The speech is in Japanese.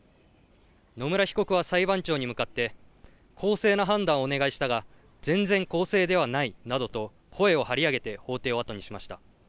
野村被告は裁判長に向かって、公正な判断をお願いしたが、全然公正ではないなどと、声を張り上げて法廷を後にしました。